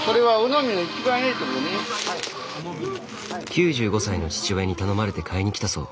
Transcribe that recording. ９５歳の父親に頼まれて買いに来たそう。